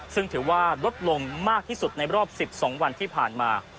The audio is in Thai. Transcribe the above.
ซึ่งถือว่าลดลงมากที่สุดในรอบ๑๒วันที่ผ่านมา